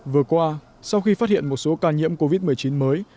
vừa qua sau khi phát hiện một số ca nhiễm covid một mươi chín mới